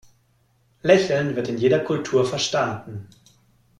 Lächeln wird in jeder Kultur verstanden.